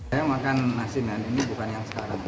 saya makan asinan ini bukan yang sekarang